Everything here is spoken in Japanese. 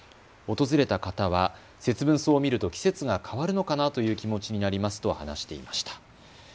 訪れた方はセツブンソウを見ると季節が変わるのかなという気持ちになりますと話していました。